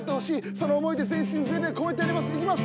その思いで全身全霊超えてやりますいきます！